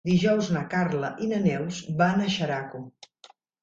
Dijous na Carla i na Neus van a Xeraco.